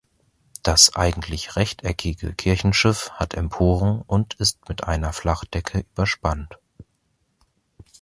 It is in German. Das eigentlich rechteckige Kirchenschiff hat Emporen und ist mit einer Flachdecke überspannt.